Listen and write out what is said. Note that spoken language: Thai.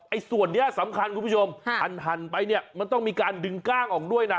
ส่วนนี้สำคัญคุณผู้ชมหั่นไปเนี่ยมันต้องมีการดึงกล้างออกด้วยนะ